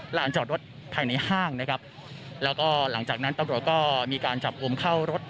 หลังจากรถภายในห้างนะครับแล้วก็หลังจากนั้นต้นโดยก็มีการจับโอมเข้ารถ